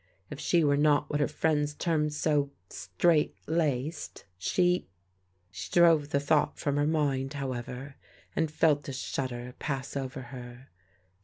If she were not what her friends termed so straight laced, she She drove the thought from her mind, however, and felt a shudder pass over her.